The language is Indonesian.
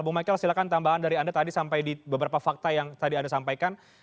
bu michael silakan tambahan dari anda tadi sampai di beberapa fakta yang tadi anda sampaikan